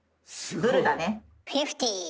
フィフティー。